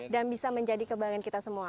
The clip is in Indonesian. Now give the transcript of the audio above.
dan bisa menjadi kebanggaan kita semua